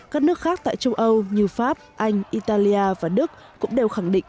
các nước khác tại châu âu như pháp anh italia và đức cũng đều khẳng định